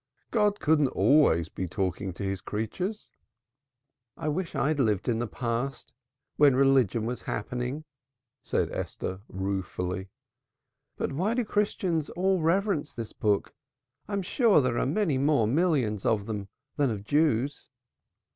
God couldn't be always talking to His creatures." "I wish I'd lived in the past, when Religion was happening," said Esther ruefully. "But why do Christians all reverence this book? I'm sure there are many more millions of them than of Jews!"